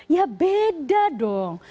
ya beda dong